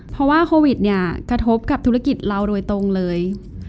เพราะว่าโควิดเนี่ยกระทบกับธุรกิจเราโดยตรงเลย